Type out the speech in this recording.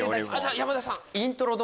山田さん。